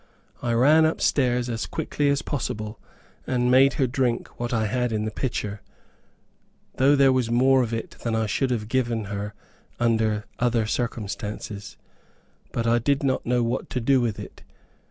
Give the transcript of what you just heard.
I ran up stairs as quickly as possible, and made her drink what I had in the pitcher, though there was more of it than I should have given her under other circumstances; but I did not know what to do with it.